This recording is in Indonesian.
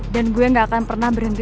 dan gue gak akan pernah berhenti